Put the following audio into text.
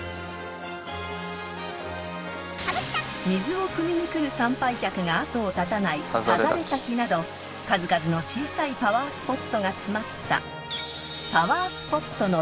［水をくみに来る参拝客が後を絶たないさざれ滝など数々の小さいパワースポットが詰まった］